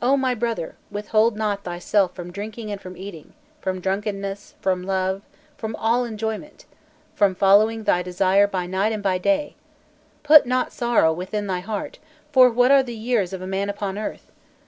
"O my brother, withhold not thyself from drinking and from eating, from drunkenness, from love, from all enjoyment, from following thy desire by night and by day; put not sorrow within thy heart, for what are the years of a man upon earth?